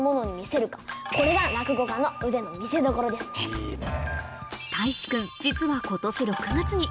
いいね。